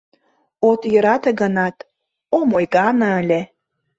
От йöрате гынат, ом ойгане ыле.